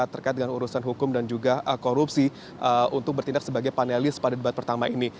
terkait dengan urusan hukum dan juga korupsi untuk bertindak sebagai panelis pada debat pertama ini